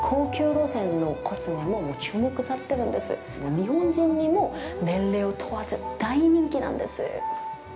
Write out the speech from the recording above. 日本人にも年齢を問わず、大人気なんです。